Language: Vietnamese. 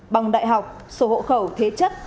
bằng đại học số hộ khẩu thế chất